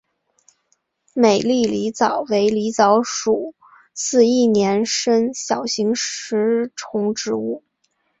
美丽狸藻为狸藻属似一年生小型食虫植物。